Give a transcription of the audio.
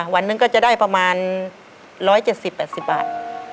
วันนึงก็จะได้ประมาณร้อยเจ็ดสิบแบดสิบบาท